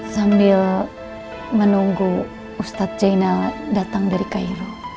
sambil menunggu ustadz jainal datang dari cairo